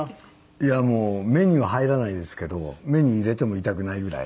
いやもう目には入らないですけど目に入れても痛くないぐらい。